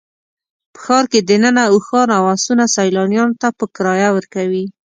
په ښار کې دننه اوښان او اسونه سیلانیانو ته په کرایه ورکوي.